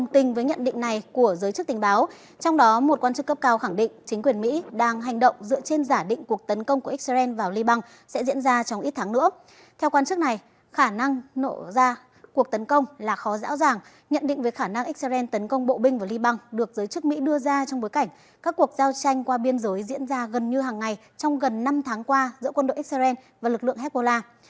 theo quán chức này khả năng nổ ra cuộc tấn công là khó rão ràng nhận định với khả năng israel tấn công bộ binh và ly băng được giới chức mỹ đưa ra trong bối cảnh các cuộc giao tranh qua biên giới diễn ra gần như hàng ngày trong gần năm tháng qua giữa quân đội israel và lực lượng hezbollah